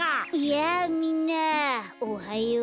やあみんなおはよう。